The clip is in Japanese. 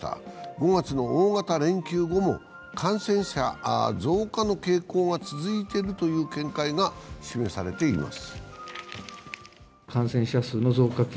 ５月の大型連休後も感染者増加の傾向が続いているという見解が示されています。